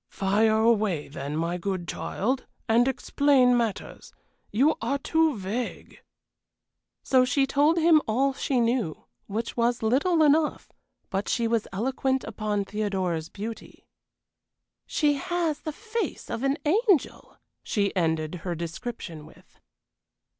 "Fire away, then, my good child, and explain matters. You are too vague!" So she told him all she knew which was little enough; but she was eloquent upon Theodora's beauty. "She has the face of an angel," she ended her description with.